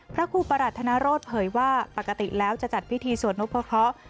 พระครูประหลัดธนโรธเผยว่าปกติแล้วจะจัดพิธีสวดนพะเคราะห์